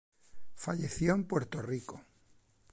Falleció en Puerto Rico.